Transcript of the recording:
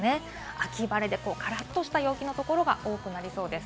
秋晴れでからっとした陽気のところが多くなりそうです。